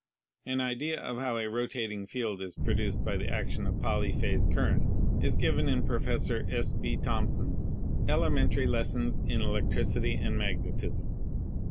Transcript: An idea of how a rotating field is produced by the action of polyphase currents is given in Professor S. P. Thomp son's 'Elementary Lessons in Electricity and Magnetism.'